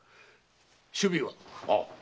首尾は？